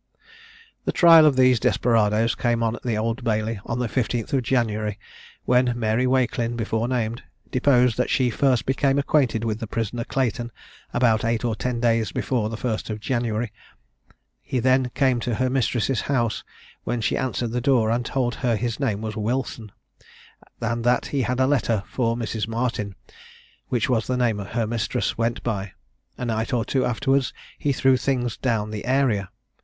The trial of these desperadoes came on at the Old Bailey, on the 15th of January, when Mary Wakelin, before named, deposed that she first became acquainted with the prisoner Clayton about eight or ten days before the 1st of January; he then came to her mistress's house, when she answered the door, and told her his name was Wilson, and that he had a letter for Mrs. Martin, which was the name her mistress went by. A night or two afterwards he threw things down the area.